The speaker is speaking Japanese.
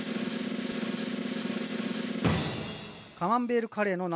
カマンベールカレーの生